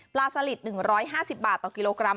สลิด๑๕๐บาทต่อกิโลกรัม